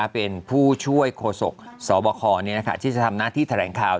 เป็นผู้ช่วยโฆษกสบคที่จะทำหน้าที่แถลงข่าว